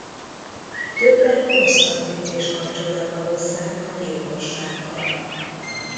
Többen Konstantint is kapcsolatba hozzák a gyilkossággal.